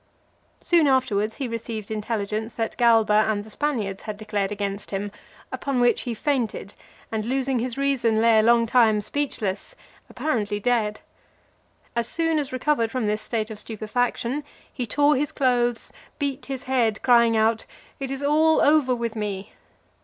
XLII. Soon afterwards, he received intelligence that Galba and the Spaniards had declared against him; upon which, he fainted, and losing his reason, lay a long time speechless, apparently dead. As soon as recovered from this state stupefaction he tore his clothes, and beat his head, crying out, "It is all over with me!"